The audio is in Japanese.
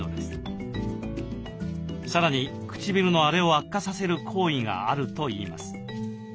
さらに唇の荒れを悪化させる行為があるといいます。